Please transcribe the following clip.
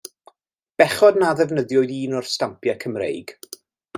Bechod na ddefnyddiwyd un o'r stampiau Cymreig.